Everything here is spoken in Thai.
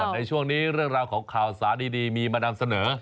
ในช่วงนี้เรื่องราวของข่าวสารดีมีมานำเสนอ